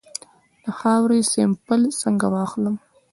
د خاورې سمپل څنګه واخلم؟